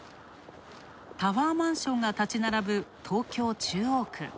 タワーマンションが立ち並ぶ東京・中央区。